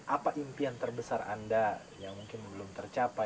apa impian terbesar anda yang mungkin belum tercapai